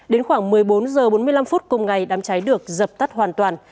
đến khoảng một mươi bốn h bốn mươi năm phút cùng ngày đám cháy được dập tắt hoàn toàn